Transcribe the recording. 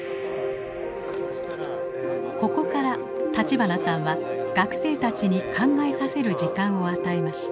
ここから立花さんは学生たちに考えさせる時間を与えました。